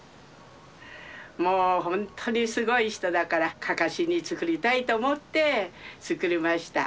もうほんとにすごい人だからかかしに作りたいと思って作りました。